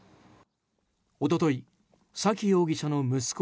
一昨日、沙喜容疑者の息子